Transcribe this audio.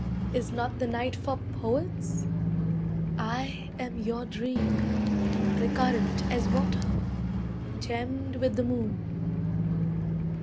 Is not the night for poets? I am your dream, Recurrent as water, Gemmed with the moon!"